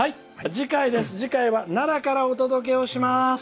次回は奈良からお届けをします。